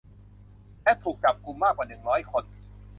และถูกจับกุมมากกว่าหนึ่งร้อยคน